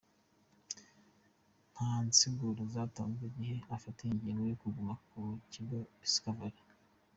Nta nsiguro zatanzwe igihe afatiye ingingo yo kuguma mu kigo Discovery.